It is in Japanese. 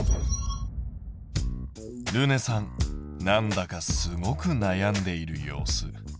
るねさんなんだかすごく悩んでいる様子。